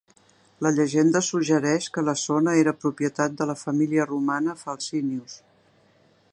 La llegenda suggereix que la zona era propietat de la família romana Falcinius.